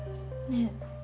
ねえ